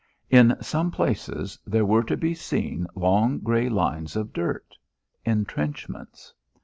In some places there were to be seen long grey lines of dirt, intrenchments.